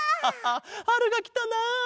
はるがきたな。